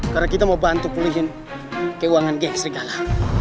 karena kita mau bantu pulihin keuangan geng serigala